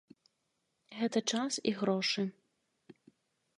Гэта час і грошы.